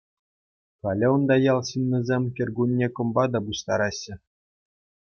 Халӗ унта ял ҫыннисем кӗркунне кӑмпа та пуҫтараҫҫӗ.